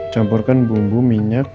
campurkan bumbu minyak